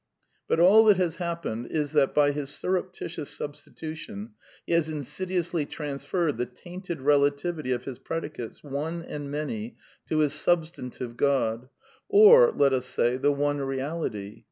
But all that has happened is that, by his surreptitious substitution, he has insidiously transferred the tainted relativity of his predicates, one and many, to his sub stantive God ; or, let us say, the One Reality.